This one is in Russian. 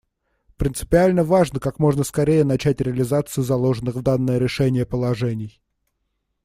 Принципиально важно как можно скорее начать реализацию заложенных в данное решение положений.